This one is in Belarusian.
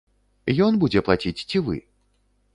Ён будзе плаціць ці вы?